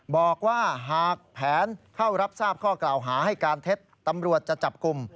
บอกว่าหากแผนเข้ารับทราบข้อกล่าวหาให้การเท็จตำรวจจะจับกลุ่ม